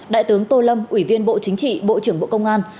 đại tướng tô lâm ủy viên bộ chính trị bộ trưởng bộ công an